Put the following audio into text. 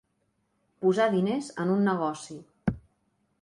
Posar diners en un negoci.